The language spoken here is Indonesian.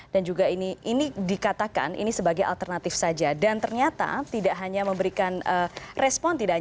dan juga ini kembali di pembahasan yang diberikan oleh pak purban